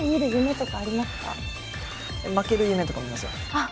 あっ！